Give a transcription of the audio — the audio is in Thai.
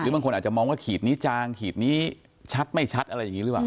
บางคนอาจจะมองว่าขีดนี้จางขีดนี้ชัดไม่ชัดอะไรอย่างนี้หรือเปล่า